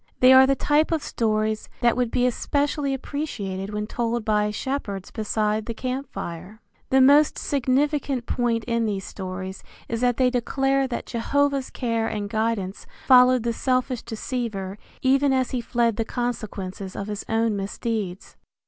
They are the type of stories that would be especially appreciated when told by shepherds beside the camp fire. The most significant point in these stories is that they declare that Jehovah's care and guidance followed the selfish deceiver even as he fled the consequences of his own misdeeds.